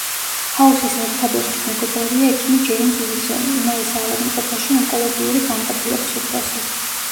ჰაუსის ერთადერთი მეგობარია ექიმი ჯეიმზ უილსონი, იმავე საავადმყოფოში ონკოლოგიური განყოფილების უფროსი.